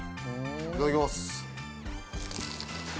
いただきます。